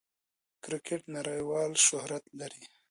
کرکټ نړۍوال شهرت لري.